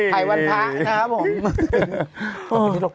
ไฟวันพรรคนะครับผม